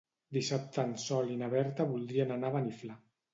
Dissabte en Sol i na Berta voldrien anar a Beniflà.